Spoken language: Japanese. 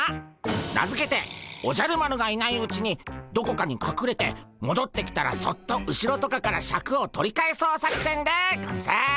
名付けて「おじゃる丸がいないうちにどこかにかくれてもどってきたらそっと後ろとかからシャクを取り返そう作戦」でゴンス。